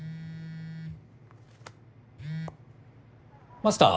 マスター？